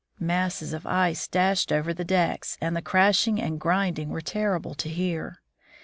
Masses of ice dashed over the decks, and the crashing and grinding were terrible to hear.